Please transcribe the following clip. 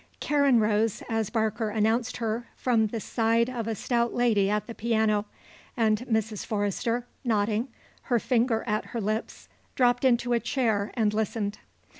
Karen rose, as Barker announced her, from the side of a stout lady at the piano, and Mrs. Forrester, nodding, her finger at her lips, dropped into a chair and listened.